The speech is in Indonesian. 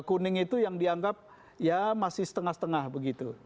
kuning itu yang dianggap ya masih setengah setengah begitu